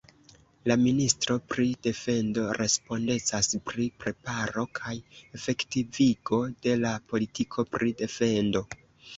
La ministro pri defendo respondecas pri preparo kaj efektivigo de la politiko pri defendo.